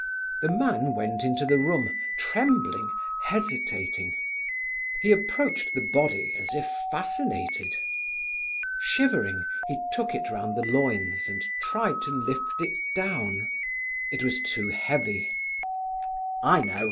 The man went into the room, trembling, hesitating. He approached the body as if fascinated. Shivering, he took it round the loins and tried to lift it down. It was too heavy. "I know!"